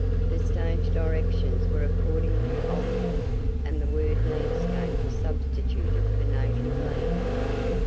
The stage directions were accordingly altered, and the word 'landscape' substituted for 'native land'!